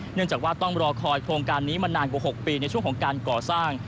เนื่องจากว่าต้องรอคอยโครงการนี้มานานกว่า๖ปีในช่วงของการก่อสร้าง